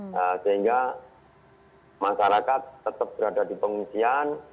nah sehingga masyarakat tetap berada di pengungsian